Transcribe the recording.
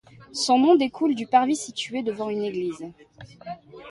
Son nom découle du parvis situé devant une église.